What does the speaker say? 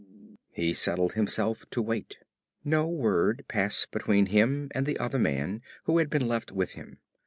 He settled himself to wait. No word passed between him and the other man who had been left with him.